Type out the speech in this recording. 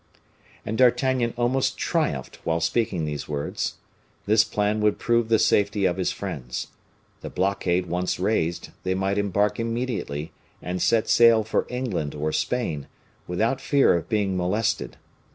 And D'Artagnan almost triumphed while speaking these words. This plan would prove the safety of his friends. The blockade once raised, they might embark immediately, and set sail for England or Spain, without fear of being molested.